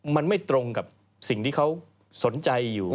มันไม่ตรงกับสิ่งที่เขาสนใจอยู่